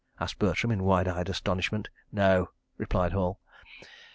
asked Bertram, in wide eyed astonishment. "No," replied Hall.